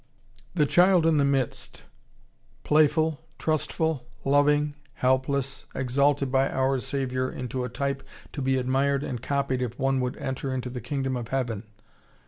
] "The child in the midst," playful, trustful, loving, helpless, exalted by our Saviour into a type to be admired and copied if one would enter into the Kingdom of Heaven!